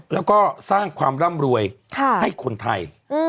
แล้วก็สร้างความร่ำรวยให้คนไทย